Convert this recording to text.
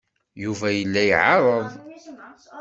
Yuba yella iɛerreḍ.